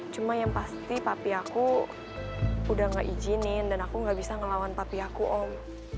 cuma yang pasti papi aku udah gak izinin dan aku gak bisa ngelawan papi aku om